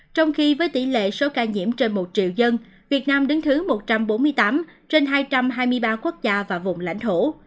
trong khi với tỷ lệ số ca nhiễm trên một triệu dân việt nam đứng thứ một trăm bốn mươi tám trên hai trăm hai mươi ba quốc gia và vùng lãnh thổ